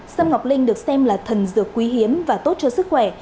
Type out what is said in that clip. sâm ngọc linh được xem là thần dược quý hiếm và tốt cho sức khỏe